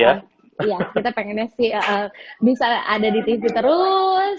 iya kita pengennya sih bisa ada di tv terus